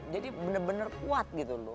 jadi bener bener kuat gitu loh